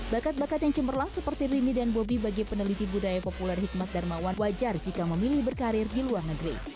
bakat bakat yang cemerlang seperti rini dan bobi bagi peneliti budaya populer hikmat darmawan wajar jika memilih berkarir di luar negeri